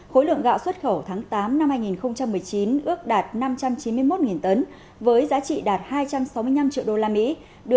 khối lượng gạo xuất khẩu tháng tám năm hai nghìn một mươi chín ước đạt năm trăm chín mươi một tấn với giá trị đạt hai trăm sáu mươi năm triệu usd